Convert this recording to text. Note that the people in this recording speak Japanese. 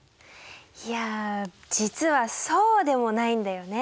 いや実はそうでもないんだよね。